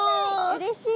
うれしい！